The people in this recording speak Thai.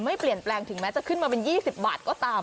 ไม่เปลี่ยนแปลงถึงแม้จะขึ้นมาเป็น๒๐บาทก็ตาม